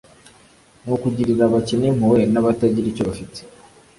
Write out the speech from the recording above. ni ukugirira abakene impuhwe n'abatagira icyo bafite.